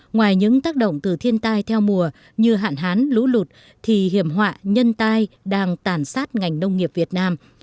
ngoài những tác động từ thiên tai theo mùa như hạn hán lũ lụt thì hiểm họa nhân tai đang tàn sát ngành nông nghiệp việt nam